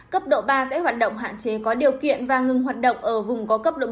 cấp độ ba sẽ hoạt động hạn chế có điều kiện và ngừng hoạt động